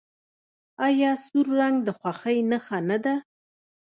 آیا سور رنګ د خوښۍ نښه نه ده؟